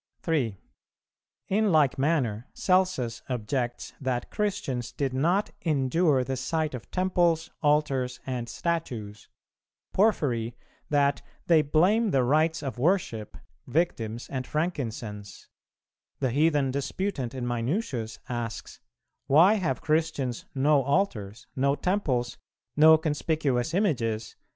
3. In like manner Celsus objects that Christians did not "endure the sight of temples, altars, and statues;" Porphyry, that "they blame the rites of worship, victims, and frankincense;" the heathen disputant in Minucius asks, "Why have Christians no altars, no temples, no conspicuous images?"